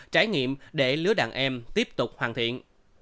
trải nghiệm để lứa đàn em tiếp tục hoàn thiện